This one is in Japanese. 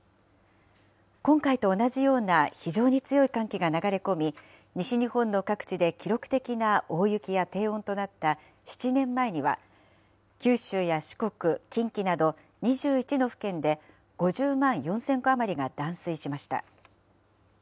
今回と同じような非常に強い寒気が流れ込み、西日本の各地で記録的な大雪や低温となった７年前には、九州や四国、近畿など２１の府県で５０万４０００戸余りが断水しました。